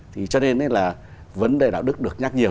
thì cho nên là vấn đề đạo đức được nhắc nhiều